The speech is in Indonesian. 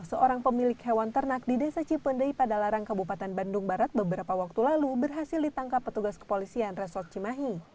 seorang pemilik hewan ternak di desa cipendei pada larang kabupaten bandung barat beberapa waktu lalu berhasil ditangkap petugas kepolisian resort cimahi